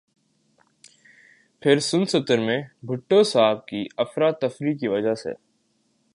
پھر سن ستر میں بھٹو صاھب کی افراتفریح کی وجہ سے